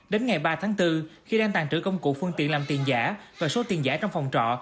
đến ngày ba tháng bốn khi đang tàn trữ công cụ phương tiện làm tiền giả và số tiền giả trong phòng trọ